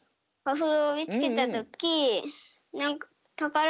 ふんをみつけたときえ！